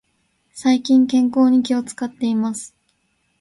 最近、健康に気を使っています。